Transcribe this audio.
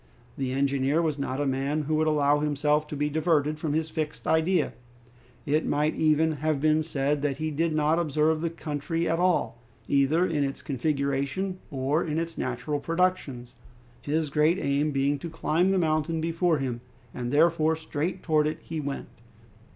The engineer was not a man who would allow himself to be diverted from his fixed idea. It might even have been said that he did not observe the country at all, either in its configuration or in its natural productions, his great aim being to climb the mountain before him, and therefore straight towards it he went.